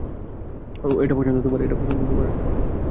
ওহ, ওটা পছন্দ তোমার?